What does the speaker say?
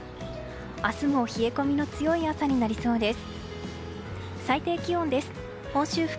明日も冷え込みの強い朝になりそうです。